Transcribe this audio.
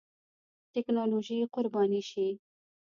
ټېکنالوژي قرباني شي.